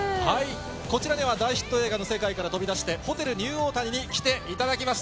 こちらには大ヒット映画の世界から飛び出して、ホテルニューオータニに来ていただきました。